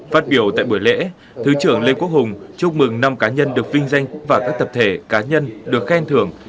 phát biểu tại buổi lễ thứ trưởng lê quốc hùng chúc mừng năm cá nhân được vinh danh và các tập thể cá nhân được khen thưởng